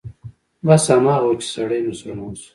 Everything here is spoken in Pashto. بس هماغه و چې سړى مسلمان شو.